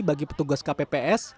bagi petugas kpps